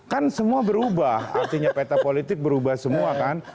kan semua berubah artinya peta politik berubah semua kan